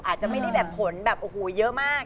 อาจจะไม่ได้แบบผลแบบโอ้โหเยอะมาก